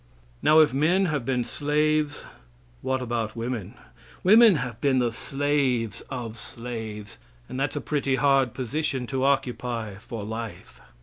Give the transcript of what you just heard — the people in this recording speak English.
Now, if men have been slaves, what about women? Women have been the slaves of slaves; and that's a pretty hard position to occupy for life.